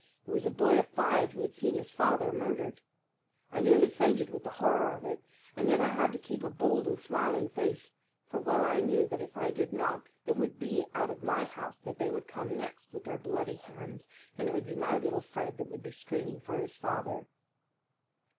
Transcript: It was a boy of five who had seen his father murdered. I nearly fainted with the horror of it, and yet I had to keep a bold and smiling face; for well I knew that if I did not it would be out of my house that they would come next with their bloody hands and it would be my little Fred that would be screaming for his father.